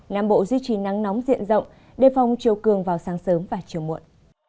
nam bộ duy trì nắng nóng diện rộng đề phòng chiều cường vào sáng sớm và chiều muộn